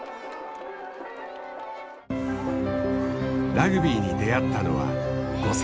ラグビーに出会ったのは５歳。